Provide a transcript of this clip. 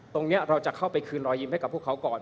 ตรงนี้เราจะเข้าไปคืนรอยยิ้มให้กับพวกเขาก่อน